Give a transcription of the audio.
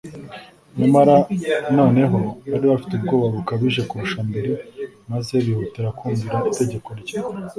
nyamara noneho bari bafite ubwoba bukabije kurusha mbere, maze bihutira kumvira itegeko rye